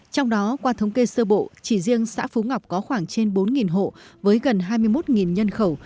trong đó qua thống kê sơ bộ chỉ riêng xã phú ngọc có khoảng trên bốn hộ với gần hai mươi một nhân khẩu